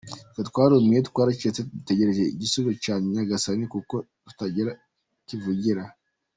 Twe twarumiwe, twaracecetse dutegereje igisubizo cya Nyagasani, kuko tutagira kivugira.